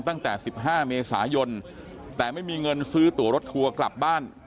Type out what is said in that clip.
ตั้งแต่๑๕เมษายนแต่ไม่มีเงินซื้อตัวรถทัวร์กลับบ้าน